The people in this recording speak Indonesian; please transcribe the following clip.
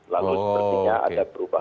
lalu sepertinya ada berpikir